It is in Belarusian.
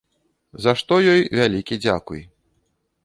За што ёй вялікі дзякуй.